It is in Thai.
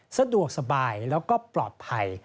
สะดวกสบายแล้วก็ปลอดภัย